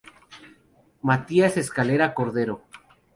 Matías Escalera Cordero.